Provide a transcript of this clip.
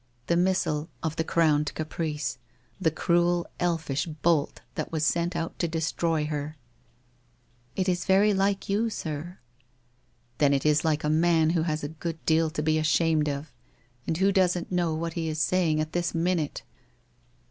The missile of the Crowned Caprice, the cruel elfish bolt that was sent out to destroy her !'' It is very like you, sir.' ' Then it is like a man who has a good deal to be ashamed of! And who doesn't know what he is saying WHITE ROSE OF WEARY LEAF 433 at this minute.